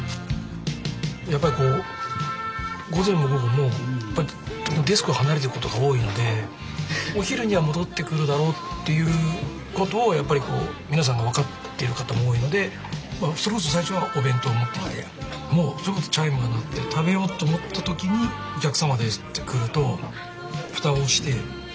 やっぱり午前も午後もデスク離れてることが多いのでお昼には戻ってくるだろうっていうことをやっぱり皆さん分かってる方も多いのでそれこそ最初はお弁当持ってきてもうそれこそチャイムが鳴って食べようと思った時に「お客様です」って来ると蓋をして行って。